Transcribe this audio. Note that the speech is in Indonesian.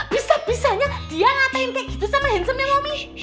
bisa bisanya dia ngatain kayak gitu sama handsomenya momi